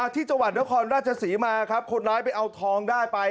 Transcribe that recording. ที่จังหวัดนครราชศรีมาครับคนร้ายไปเอาทองได้ไป